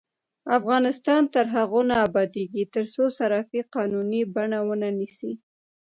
افغانستان تر هغو نه ابادیږي، ترڅو صرافي قانوني بڼه ونه نیسي.